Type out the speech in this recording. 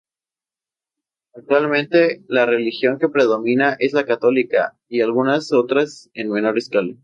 Actualmente la religión que predomina es la católica y algunas otras en menor escala.